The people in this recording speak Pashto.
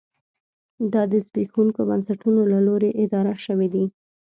دا د زبېښونکو بنسټونو له لوري اداره شوې دي.